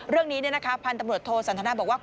เรื่องนี้พันธุ์ตำรวจโทสันทนาบอกว่า